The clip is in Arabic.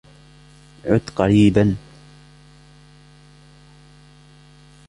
عُد قريبًا.